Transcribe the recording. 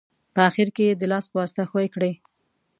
په اخیر کې یې د لاس په واسطه ښوي کړئ.